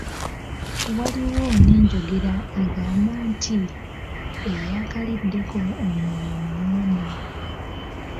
Waliwo n'enjogera egamba nti, "Eyakaliddeko omwoyo mulondo".